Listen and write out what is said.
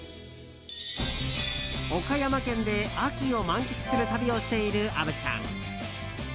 岡山県で秋を満喫する旅をしている虻ちゃん。